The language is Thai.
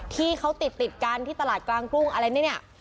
ที่เขาติดติดกันที่ตลาดกลางกุ้งอะไรเนี่ย